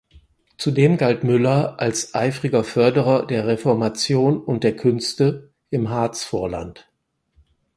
Zudem galt Müller als "eifriger Förderer der Reformation und der Künste" im Harzvorland.